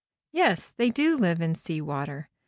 "Yes; they do live in sea water.